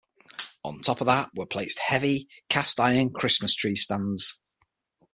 On top of that were placed heavy cast iron Christmas tree stands.